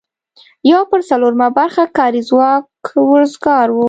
یو پر څلورمه برخه کاري ځواک وزګار و.